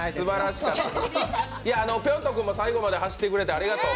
ぴょん兎君も最後まで走ってくれてありがとう。